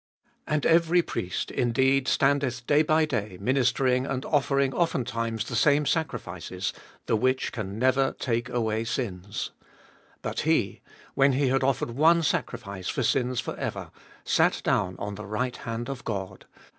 And every priest indeed standeth day by day ministering and offering oftentimes the same sacrifices, the which can never take away sins : 12. But he, when he had offered one sacrifice for sins for ever, sat down on the right hand of God; 13.